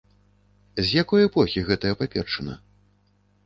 З якой эпохі гэтая паперчына?